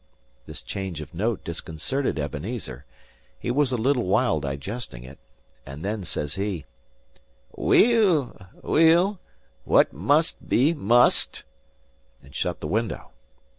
This change of note disconcerted Ebenezer; he was a little while digesting it, and then says he, "Weel, weel, what must be must," and shut the window.